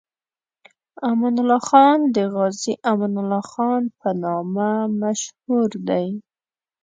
امان الله خان د غازي امان الله خان په نامه مشهور دی.